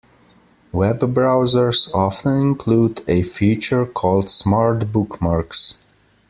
Web browsers often include a feature called Smart Bookmarks.